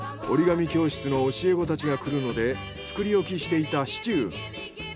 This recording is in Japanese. おりがみ教室の教え子たちが来るので作り置きしていたシチュー。